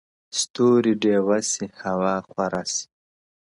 ستوري ډېوه سي !!هوا خوره سي!!